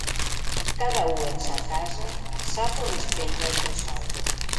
Cada u en sa casa sap on es penja el cresol.